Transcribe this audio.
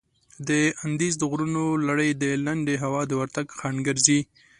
د اندیز د غرونو لړي د لندې هوا د ورتګ خنډ ګرځي.